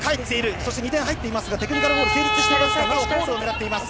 そして２点入っていますがテクニカルフォール成立していますがなおフォールを狙っています。